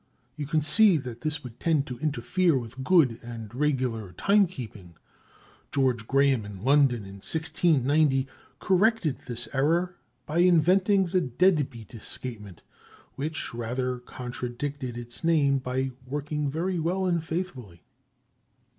You can see that this would tend to interfere with good and regular timekeeping. George Graham, in London, in 1690 corrected this error by inventing the dead beat escapement which rather contradicted its name by working very well and faithfully.